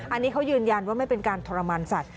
อันนี้เขายืนยันว่าไม่เป็นการทรมานสัตว